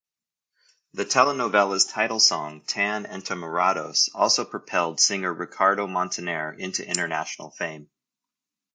The telenovela's title song "Tan Enamorados" also propelled singer Ricardo Montaner into international fame.